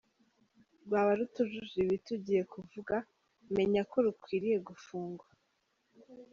rwaba rutujuje ibi tugiye kuvuga, menya ko rukwiriye gufungwa.